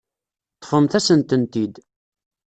Ṭṭfemt-asen-tent-id.